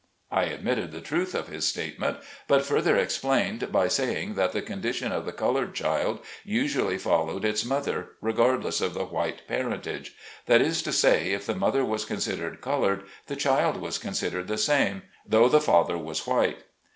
I admitted the truth of his statement, but further explained by saying, that the condition of the colored child usually followed its mother, regardless of the white parentage ; that is to say, if the mother was considered colored, the child was considered the same, though the father was white.